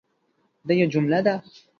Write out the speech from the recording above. دا یوه جمله ده